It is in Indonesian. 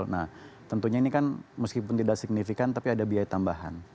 nah tentunya ini kan meskipun tidak signifikan tapi ada biaya tambahan